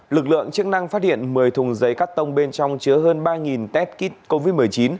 lực lượng chức năng phát hiện một mươi thùng giấy cắt tông bên trong chứa hơn ba test kit covid một mươi chín